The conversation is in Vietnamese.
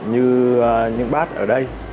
như những bát ở đây